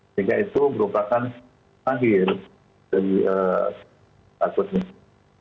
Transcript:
sehingga itu merupakan akhir dari akun ini